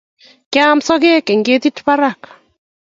Kiame sokek eng ketik parak